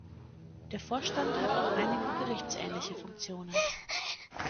Der Vorstand hat auch einige gerichtsähnliche Funktionen.